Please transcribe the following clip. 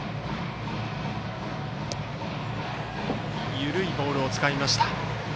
緩いボールを使いました。